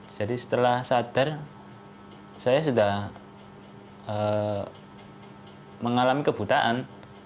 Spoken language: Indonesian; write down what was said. jadi setelah sadar saya sudah mengalami kebutaan